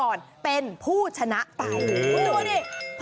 อันนี้คือมวยทะเลถูกต้องแล้วนะครับ